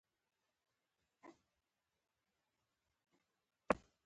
سمندر نه شتون د افغانستان د بشري فرهنګ برخه ده.